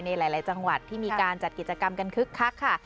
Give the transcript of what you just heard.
ในหลายจังหวัดที่มีการจัดกิจกรรมกันคึกคักค่ะ